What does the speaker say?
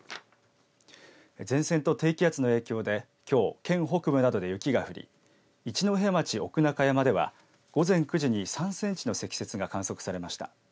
前線と低気圧の影響できょう県北部などで雪が降り一戸町奥中山では午前９時に３センチの積雪が観測されました。